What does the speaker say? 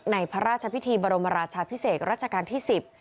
ในพระราชพิธีบรมราชาพิเศษรัชกาลที่๑๐